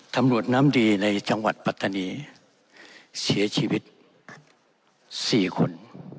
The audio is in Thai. ทำลวดนามดีในจังหวัดปัฒนีเสียชีวิต๔คน